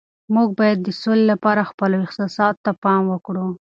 موږ باید د سولي لپاره خپلو احساساتو ته پام وکړو.